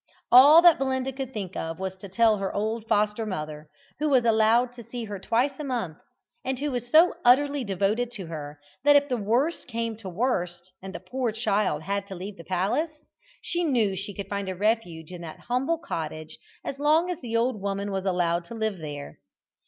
All that Belinda could think of was to tell her old foster mother, who was allowed to see her twice a month, and who was so utterly devoted to her, that if the worst came to the worst, and the poor child had to leave the palace, she knew she could find a refuge in that humble cottage as long as the old woman was allowed to live there.